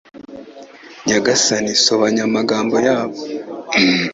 Nyagasani sobanya amagambo yabo